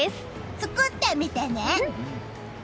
作ってみてね！